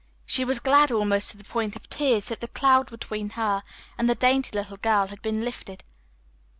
She was glad almost to the point of tears that the cloud between her and the dainty little girl had been lifted.